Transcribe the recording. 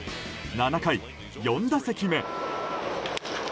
７回、４打席目。